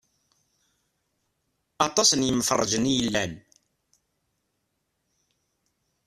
Aṭas n yemferrǧen i yellan.